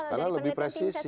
karena lebih presisi